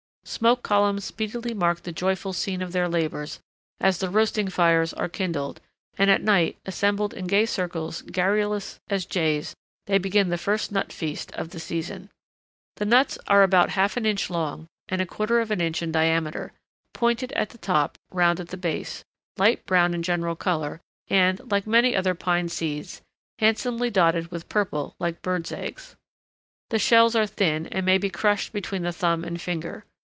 Smoke columns speedily mark the joyful scene of their labors as the roasting fires are kindled, and, at night, assembled in gay circles garrulous as jays, they begin the first nut feast of the season. The nuts are about half an inch long and a quarter of an inch in diameter, pointed at the top, round at the base, light brown in general color, and, like many other pine seeds, handsomely dotted with purple, like birds' eggs. The shells are thin and may be crushed between the thumb and finger.